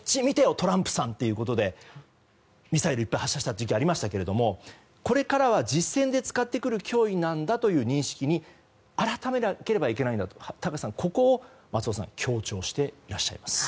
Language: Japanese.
トランプさんということでミサイルをいっぱい発射した時期ありましたがこれからは実戦で使ってくる脅威だという認識に改めなければいけないんだと、松尾さん高橋さんはここを強調していらっしゃいます。